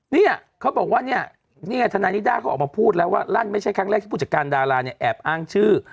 เนี่ยเขาบอกว่าเนี่ยนี่ไงทนายนิด้าเขาออกมาพูดแล้วว่าลั่นไม่ใช่ครั้งแรกที่ผู้จัดการดาราเนี่ยแอบอ้างชื่อ